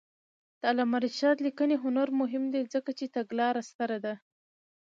د علامه رشاد لیکنی هنر مهم دی ځکه چې تګلاره ستره ده.